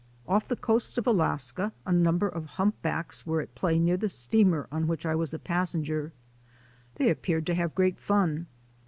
Off the coast of Alaska a number of humpbacks were at play near the steamer on which I was a passenger. They appeared to have great fun.